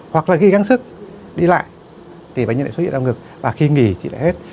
hoặc là khi găng sức đi lại thì bệnh nhân lại xuất hiện đau ngực và khi nghỉ thì lại hết